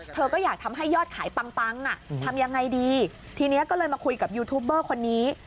เธอก็อยากทำให้ยอดขายปังอ่ะทำยังไงดีทีนี้ก็เลยมาคุยกับยูทูปเบอร์คนนี้